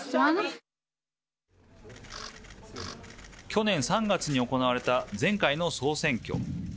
去年３月に行われた前回の総選挙。